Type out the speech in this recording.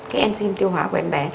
cái enzyme tiêu hóa của em bé